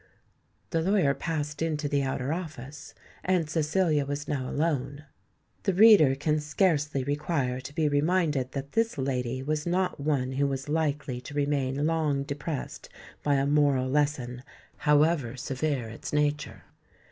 The lawyer passed into the outer office; and Cecilia was now alone. The reader can scarcely require to be reminded that this lady was not one who was likely to remain long depressed by a moral lesson, however severe its nature.